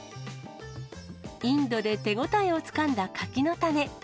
インドで手応えをつかんだ柿の種。